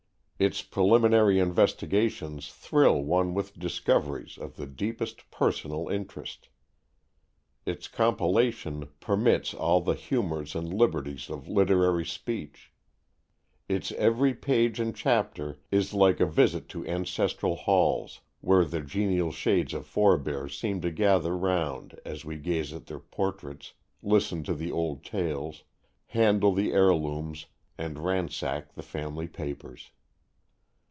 Its preliminary investigations thrill one with discoveries of the deepest personal interest. Its compilation permits all the humors and liberties of literary speech. Its every page and chapter is like a visit to ancestral halls, where the genial shades of forebears seem to gather round as we gaze at their portraits, listen to the old tales, handle the heirlooms and ransack the family papers.